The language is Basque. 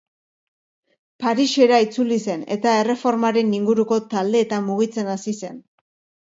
Parisera itzuli zen eta Erreformaren inguruko taldeetan mugitzen hasi zen.